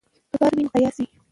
که کار وي نو قیاس وي.